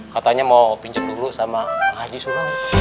katanya mau pincet dulu sama om haji soalnya